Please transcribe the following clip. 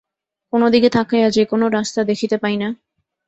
কোনো দিকে তাকাইয়া যে কোনো রাস্তা দেখিতে পাই না।